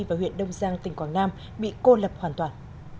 và huyện đông giang tỉnh quảng nam bị cô lập hoàn toàn